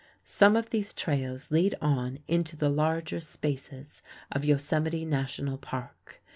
Some of these trails lead on into the larger spaces of Yosemite National Park.